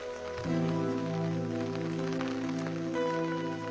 うん。